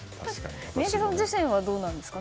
宮家さん自身はどうなんですか。